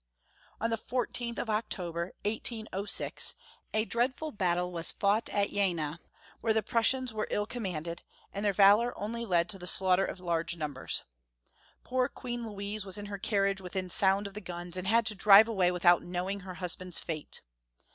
On the 14th of October, 1806, a dreadful battle was fought at Jena, where the Prussians were ill commanded, and their valor only led to the slaughter of large numbers. Poor Queen Louise was in her carriage within sound of the guns, and had to drive away without knowing her husband's fate.